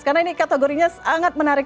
karena ini kategorinya sangat menarik